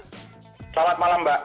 selamat malam mbak